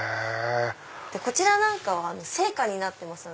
こちらは生花になってます。